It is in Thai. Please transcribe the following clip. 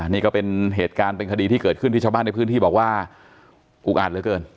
นี่ก็เป็นเหตุการณ์เป็นคดีที่เกิดขึ้นที่ชาวบ้านในพื้นที่บอกว่าอุกอัดเหลือเกิน